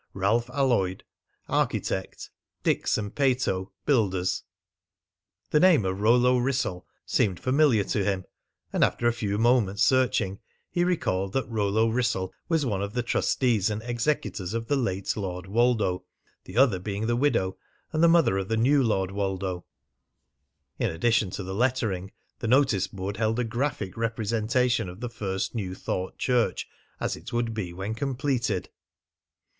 Ralph Alloyd, Architect. Dicks and Pato, Builders._ The name of Rollo Wrissell seemed familiar to him, and after a few moments' searching he recalled that Rollo Wrissell was one of the trustees and executors of the late Lord Woldo, the other being the widow, and the mother of the new Lord Woldo. In addition to the lettering, the notice board held a graphic representation of the First New Thought Church as it would be when completed.